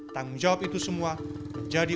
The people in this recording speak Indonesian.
tanggung jawab itu semua menjadi